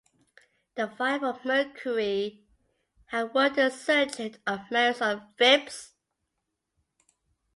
The fire from "Mercury" had wounded the sergeant of marines on "Phipps".